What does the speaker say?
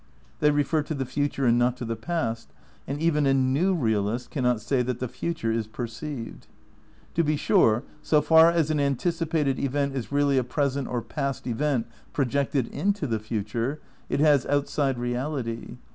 They refer to the future and not to the past, and even a new realist cannot say that the future is perceived. To be sure, so far as an anticipated event is really a present or past event projected into the future, it has outside reality.